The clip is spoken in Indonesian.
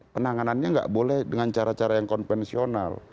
penanganannya nggak boleh dengan cara cara yang konvensional